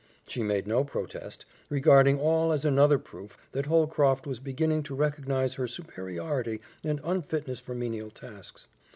She made no protest, regarding all as another proof that Holcroft was beginning to recognize her superiority and unfitness for menial tasks.